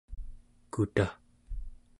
kuta